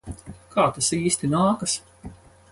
Kā tas īsti nākas?